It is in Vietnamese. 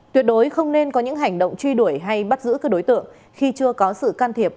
tuyệt đối không nên có những hành động truy đuổi hay bắt giữ các đối tượng khi chưa có sự can thiệp